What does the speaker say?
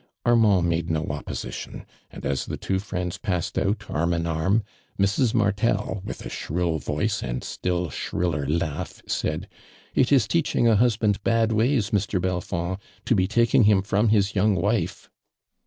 Armand made no opposition, and as the two friends passed out^ arm in arm, Mi s. Martel, with a shrill voice and still shriller laugh, said :" It is teaching a husband bad ways, Mr. Belfond, to bo Uiking him from his young wife."